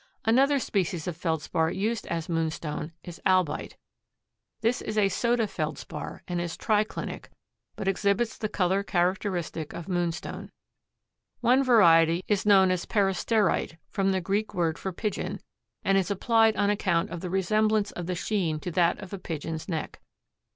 Another species of Feldspar used as moonstone is albite. This is a soda Feldspar and is triclinic, but exhibits the color characteristic of moonstone. One variety is known as peristerite, from the Greek word for pigeon, and is applied on account of the resemblance of the sheen to that of a pigeon's neck.